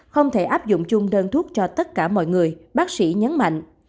không thể áp dụng chung đơn thuốc cho tất cả mọi người bác sĩ nhấn mạnh